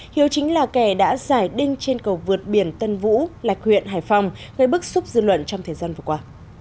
hiếu chính là kẻ đã giải đinh trên cầu vượt biển tân vũ lạch huyện hải phòng gây bức xúc dư luận trong thời gian vừa qua